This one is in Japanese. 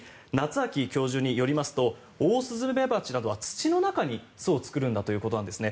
秋教授によりますとオオスズメバチなどは土の中に巣を作るんだということなんですね。